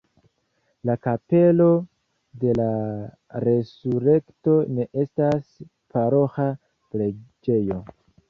La Kapelo de la Resurekto ne estas paroĥa preĝejo.